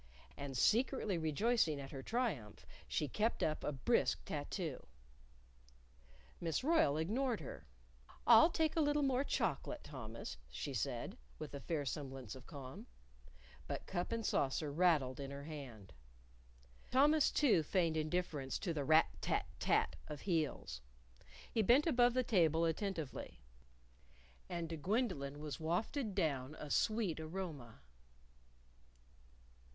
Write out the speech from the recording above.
And secretly rejoicing at her triumph, she kept up a brisk tattoo. Miss Royle ignored her. "I'll take a little more chocolate, Thomas," she said, with a fair semblance of calm. But cup and saucer rattled in her hand. Thomas, too, feigned indifference to the rat! tat! tat! of heels. He bent above the table attentively. And to Gwendolyn was wafted down a sweet aroma.